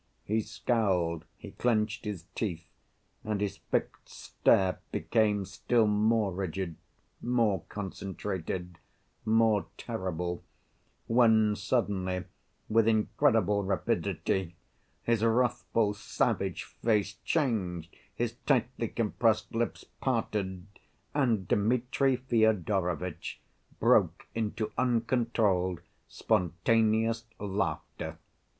He scowled, he clenched his teeth, and his fixed stare became still more rigid, more concentrated, more terrible, when suddenly, with incredible rapidity, his wrathful, savage face changed, his tightly compressed lips parted, and Dmitri Fyodorovitch broke into uncontrolled, spontaneous laughter.